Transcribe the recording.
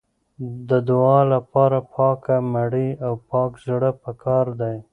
د دعا لپاره پاکه مړۍ او پاک زړه پکار دی.